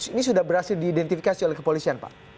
ini sudah berhasil diidentifikasi oleh kepolisian pak